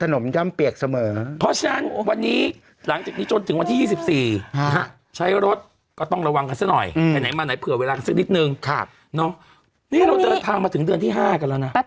อืมถ้าใครรับน้ำจะท่วมขึ้นมาอยู่แล้วเนี้ยนี่น่าพี่พ่อกว่าดีนี่ครับผม